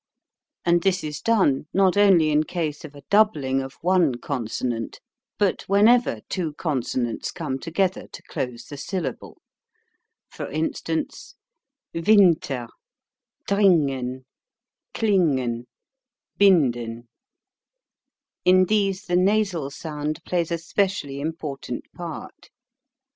And this is done, not only in case of a doub ling of one consonant, but whenever two con sonants come together to close the syllable; for instance, win ter, dring en, kling en, bind en; in these the nasal sound plays a specially important part.